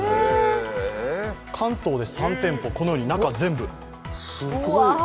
関東で３店舗、このように中が全部。